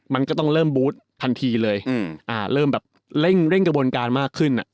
มันก็ต้องเริ่มบูธทันทีเลยเริ่มแบบเร่งกระบวนการมากขึ้น